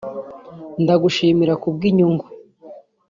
ndagushimira ku bw’inyungu